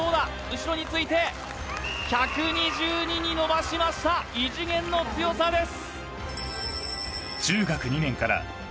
後ろについて１２２に伸ばしました異次元の強さです